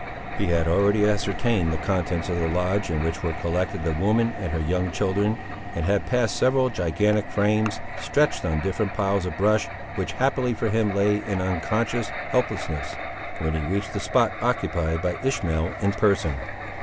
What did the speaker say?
He had already ascertained the contents of the lodge in which were collected the woman and her young children, and had passed several gigantic frames, stretched on different piles of brush, which happily for him lay in unconscious helplessness, when he reached the spot occupied by Ishmael in person.